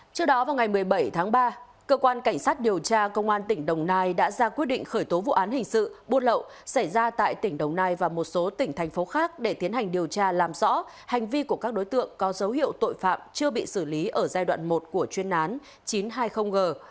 trước đó vào ngày một mươi bảy tháng ba cơ quan cảnh sát điều tra công an tỉnh đồng nai đã ra quyết định khởi tố vụ án hình sự buôn lậu xảy ra tại tỉnh đồng nai và một số tỉnh thành phố khác để tiến hành điều tra làm rõ hành vi của các đối tượng có dấu hiệu tội phạm chưa bị xử lý ở giai đoạn một của chuyên án chín trăm hai mươi g